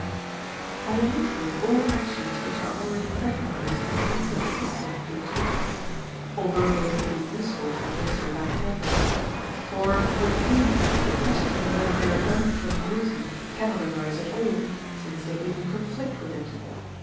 I omit here all actions which are already recognized as inconsistent with duty, although they may be useful for this or that purpose, for with these the question whether they are done from duty cannot arise at all, since they even conflict with it.